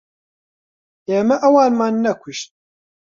ئێمە ئەوانمان نەکوشت.